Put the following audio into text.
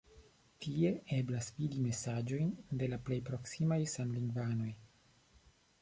Tie eblas vidi mesaĝojn de la plej proksimaj samlingvanoj.